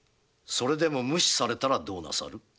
それでも無視されたらどうなさる？